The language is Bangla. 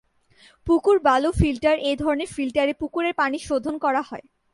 পুকুর বালু ফিল্টার এ ধরনের ফিল্টারে পুকুরের পানি শোধন করা হয়।